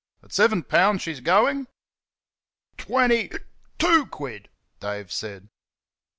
"At sev'n poun' she's GOING?" "Twenny (hic) TWO quid," Dave said.